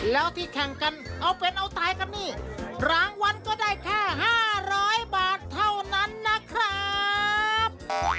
แล้วที่แข่งกันเอาเป็นเอาตายกันนี่รางวัลก็ได้แค่๕๐๐บาทเท่านั้นนะครับ